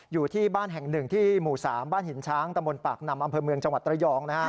อยู่ที่บ้านแห่งหนึ่งที่หมู่๓บ้านหินช้างตะมนต์ปากนำอำเภอเมืองจังหวัดระยอง